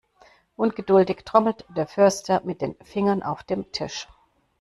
Ungeduldig trommelt der Förster mit den Fingern auf dem Tisch.